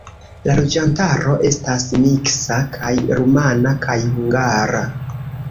La loĝantaro estas miksa: kaj rumana kaj hungara.